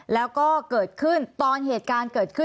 แล้วก็เกิดขึ้นตอนเหตุการณ์เกิดขึ้น